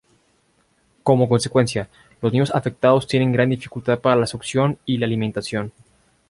Como consecuencia, los niños afectados tienen gran dificultad para la succión y la alimentación.